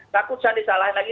takut saya disalahin lagi